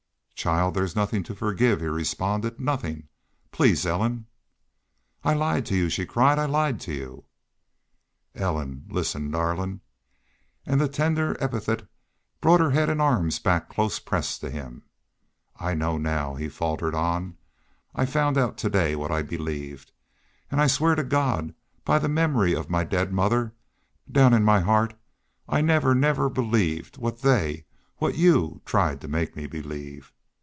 "Child, there's nothin' to forgive," he responded. "Nothin'... Please, Ellen..." "I lied to y'u!" she cried. "I lied to y'u!" "Ellen, listen darlin'." And the tender epithet brought her head and arms back close pressed to him. "I know now," he faltered on. "I found out to day what I believed. An' I swear to God by the memory of my dead mother down in my heart I never, never, never believed what they what y'u tried to make me believe.